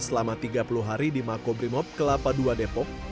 selama tiga puluh hari di makobrimob kelapa dua depok